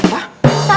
bener pak ustadz